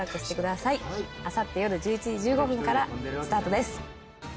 あさってよる１１時１５分からスタートです。